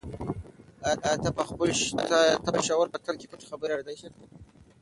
آیا ته د خپل شعور په تل کې پټې خبرې اورېدلی شې؟